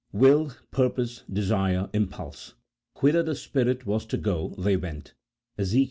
Will, purpose, desire, impulse: "Whither the spirit Avas to go, they went," Ezek.